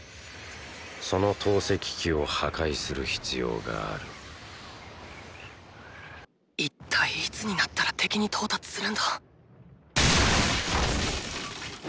その投石機を破壊する必要がある一体いつになったら敵に到達するんだ